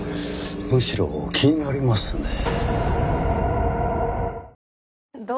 むしろ気になりますねぇ。